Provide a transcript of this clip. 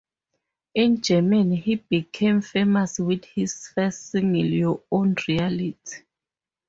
In Germany he became famous with his first single, "Your Own Reality".